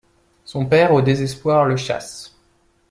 Son père au désespoir le chasse.